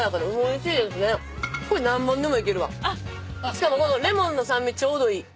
しかもこのレモンの酸味ちょうどいい。